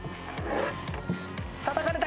たたかれた！